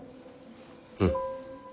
うん。